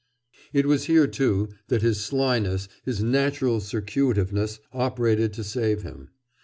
It was here, too, that his slyness, his natural circuitiveness, operated to save him.